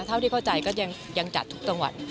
เท่าที่เข้าใจก็ยังจัดทุกจังหวัด